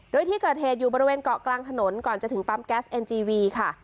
โดยที่เกิดเหตุอยู่บริเวณเกาะกลางถนนก่อนจะถึงปั๊มแก๊สเอ็นจีวีค่ะ